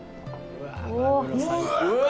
うわ。